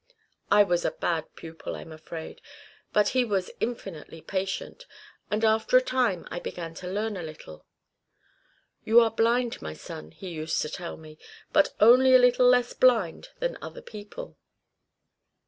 I was a bad pupil, I'm afraid, but he was infinitely patient; and after a time I began to learn a little. 'You are blind, my son,' he used to tell me, 'but only a little less blind than other people.